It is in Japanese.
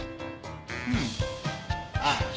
うんああ。